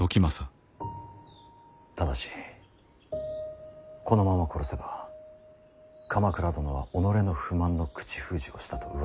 ただしこのまま殺せば鎌倉殿は己の不満の口封じをしたとうわさが立ちます。